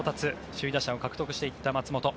首位打者を獲得した松本。